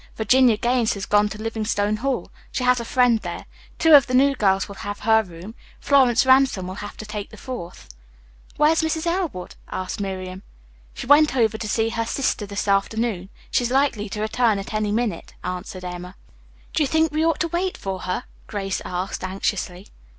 Virginia Gaines has gone to Livingstone Hall. She has a friend there. Two of the new girls will have her room. Florence Ransom will have to take the fourth." "Where's Mrs. Elwood?" asked Miriam. "She went over to see her sister this afternoon. She's likely to return at any minute," answered Emma. "Do you think we ought to wait for her?" Grace asked anxiously.